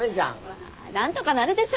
まあ何とかなるでしょ。